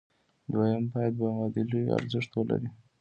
دویم باید مبادلوي ارزښت ولري.